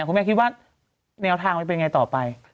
คุณแม่คิดว่าแนวทางมันเป็นไงต่อไป